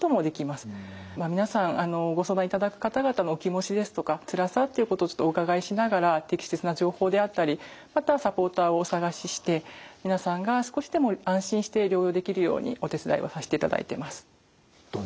皆さんご相談いただく方々のお気持ちですとかつらさっていうことをお伺いしながら適切な情報であったりまたサポーターをお探しして皆さんが少しでも安心して療養できるようにお手伝いをさしていただいてます。